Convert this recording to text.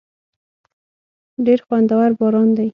ډېر خوندور باران دی.